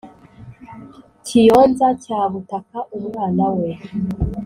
kiyonza cya butaka umwana we